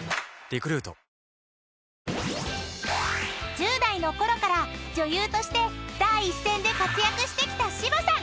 ［１０代のころから女優として第一線で活躍してきた柴さん］